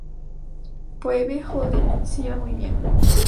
Phoebe y Holden se llevan muy bien.